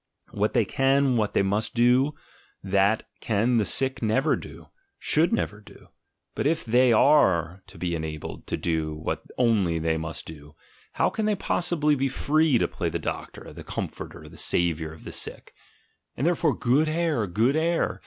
What they can, what they must do, that can the sick never do, should never do! but if they are to be enabled to do what only they must do, how can they possibly be free to play the doctor, the comforter, the "Saviour" of the sick? ,.. And therefore good air! good air!